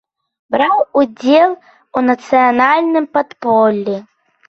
Браў удзел у нацыянальным падполлі.